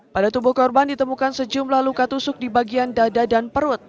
pada tubuh korban ditemukan sejumlah luka tusuk di bagian dada dan perut